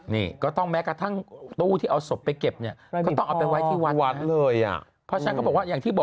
นี่ก็ต้องแม้กระทั่งตู้ที่เอาสมไปเก็บเนี่ยเว้นวัดวันเรียบแล้ว